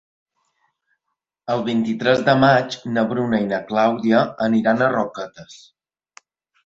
El vint-i-tres de maig na Bruna i na Clàudia aniran a Roquetes.